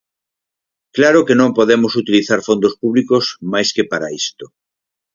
Claro que non podemos utilizar fondos públicos máis que para isto.